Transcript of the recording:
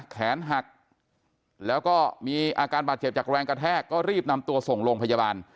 แขนหักแล้วก็มีอาการบาดเจ็บจากแรงกระแทกก็รีบนำตัวส่งโรงพยาบาล